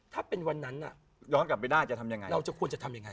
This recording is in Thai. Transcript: ถ้าเป็นวันนั้นเราจะควรจะทำยังไง